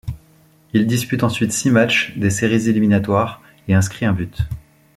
Il dispute ensuite six matchs des séries éliminatoires et inscrit un but.